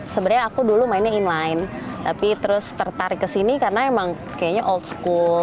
sebenarnya aku dulu mainnya inline tapi terus tertarik ke sini karena emang kayaknya old school